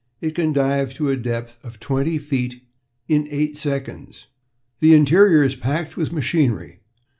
It can dive to a depth of twenty feet in eight seconds. "The interior is simply packed with machinery.